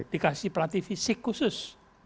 dikasih pelatih fisik khusus